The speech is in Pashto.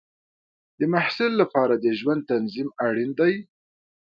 د محصل لپاره د ژوند تنظیم اړین دی.